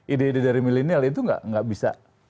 ide ide dari milenial itu nggak bisa